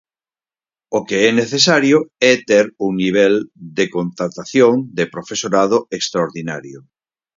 O que é necesario é ter un nivel de contratación de profesorado extraordinario.